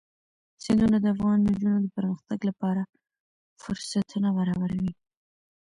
سیندونه د افغان نجونو د پرمختګ لپاره فرصتونه برابروي.